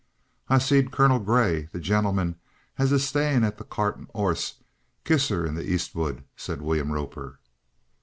"I seed Colonel Grey the gentleman as is staying at the 'Cart and 'Orses' kiss 'er in the East wood," said William Roper.